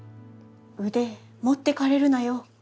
「腕持ってかれるなよ」。